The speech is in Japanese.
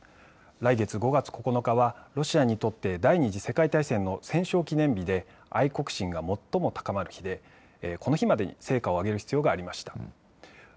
来月５月９日はロシアにとって第２次世界大戦の戦勝記念日で愛国心が最も高まる日でこの日までに戦果を挙げる必要がありました。